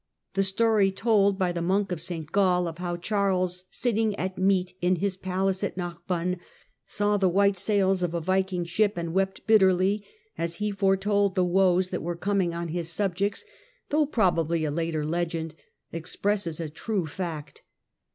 The story told by the monk of St. Gall of how Charles, sitting at meat in his palace at Narbonne, saw the white sails of a Viking ship, and wept bitterly as he foretold the woes that were coming on his subjects, though probably a later legend, expresses a true fact.